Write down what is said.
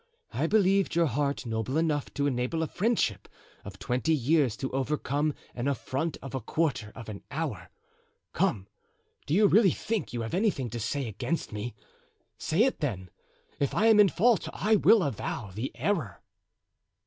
I believed your heart noble enough to enable a friendship of twenty years to overcome an affront of a quarter of an hour. Come, do you really think you have anything to say against me? Say it then; if I am in fault I will avow the error."